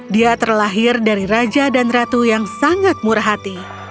dia terlahir dari raja dan ratu yang sangat murah hati